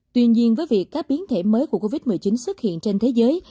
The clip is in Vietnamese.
tuy nhiên với việc các biến thể mới của covid một mươi chín xuất hiện trên thế giới